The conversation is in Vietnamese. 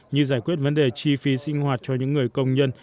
như giải quyết vấn đề chi phí sinh hoạt cho những người công nhân